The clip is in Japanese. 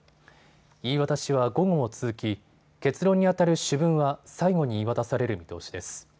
言い渡しは午後も続き結論にあたる主文は最後に言い渡される見通しです。